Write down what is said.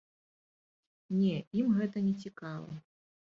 Не, ім гэта нецікава.